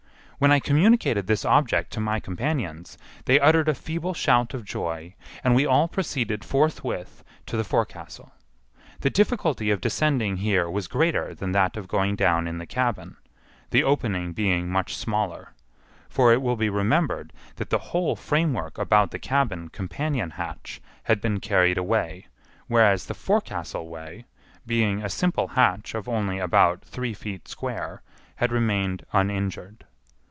When I communicated this object to my companions, they uttered a feeble shout of joy, and we all proceeded forthwith to the forecastle. The difficulty of descending here was greater than that of going down in the cabin, the opening being much smaller, for it will be remembered that the whole framework about the cabin companion hatch had been carried away, whereas the forecastle way, being a simple hatch of only about three feet square, had remained uninjured.